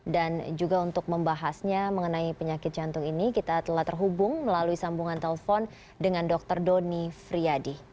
dan juga untuk membahasnya mengenai penyakit jantung ini kita telah terhubung melalui sambungan telepon dengan dr doni friadi